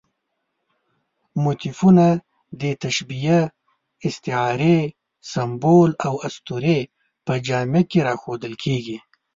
موتیفونه د تشبیه، استعارې، سمبول او اسطورې په جامه کې راښودل کېږي.